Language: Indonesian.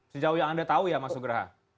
sejauh yang anda tahu ya mas nugraha